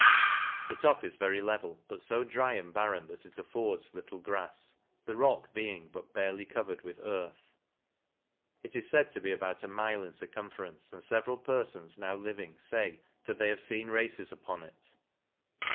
The top is very level, but fo dry and barren that it affords little grafs, the rock being but barely covered with, earth. It is faid to be about a mile in circumference, and feveral perfons now living fay, that they have feen races upon it.